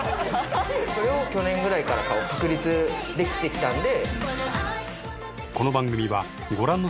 去年くらいから確立できてきたんで。